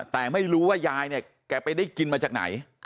แต่ไม่รู้ว่ายายเนี่ยแกไปได้กินมาจากไหน